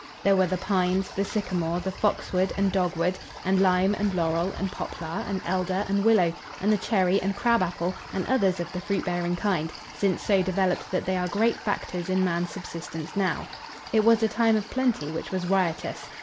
There were the pines, the sycamore, the foxwood and dogwood, and lime and laurel and poplar and elder and willow, and the cherry and crab apple and others of the fruit bearing kind, since so developed that they are great factors in man's subsistence now. It was a time of plenty which was riotous.